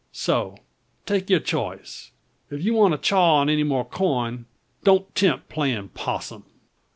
So, take yur choice. If ye want to chaw any more corn, don't 'tempt playin' possum."